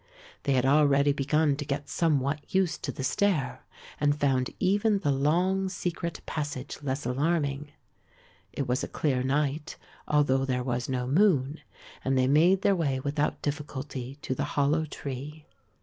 They had already begun to get somewhat used to the stair and found even the long secret passage less alarming. It was a clear night although there was no moon, and they made their way without difficulty to the hollow tree.